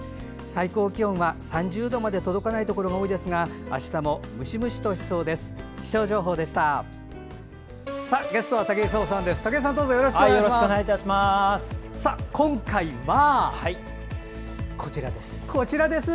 最高気温は、３０度まで届かないところが多いですがあしたもムシムシとしそうです。